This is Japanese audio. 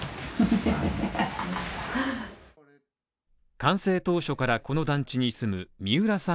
完成当初からこの団地に住む三浦さん